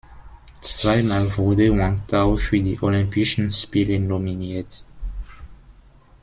Zweimal wurde Wang Tao für die Olympischen Spiele nominiert.